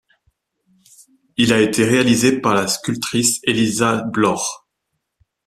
Il a été réalisé par la sculptrice Élisa Bloch.